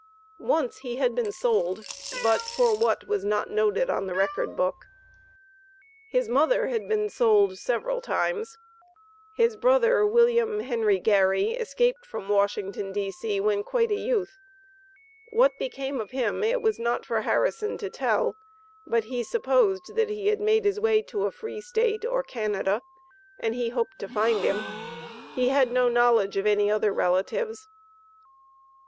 Once he had been sold, but for what was not noted on the record book. His mother had been sold several times. His brother, William Henry Gary, escaped from Washington, D.C., when quite a youth. What became of him it was not for Harrison to tell, but he supposed that he had made his way to a free State, or Canada, and he hoped to find him. He had no knowledge of any other relatives.